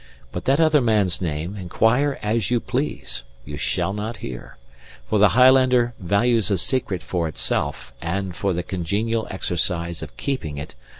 But that other man's name, inquire as you please, you shall not hear; for the Highlander values a secret for itself and for the congenial exercise of keeping it.